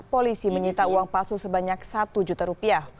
polisi menyita uang palsu sebanyak rp satu juta